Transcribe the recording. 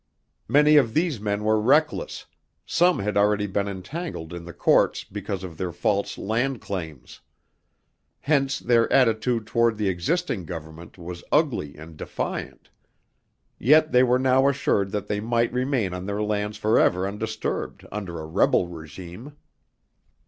Many of these men were reckless; some had already been entangled in the courts because of their false land claims. Hence their attitude toward the existing Government was ugly and defiant. Yet they were now assured that they might remain on their lands forever undisturbed, under a rebel régime.